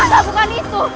jangan lakukan itu